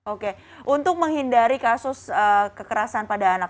oke untuk menghindari kasus kekerasan pada anak